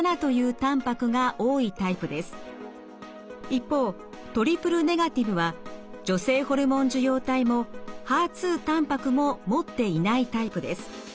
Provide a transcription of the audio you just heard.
一方トリプルネガティブは女性ホルモン受容体もＨＥＲ２たんぱくも持っていないタイプです。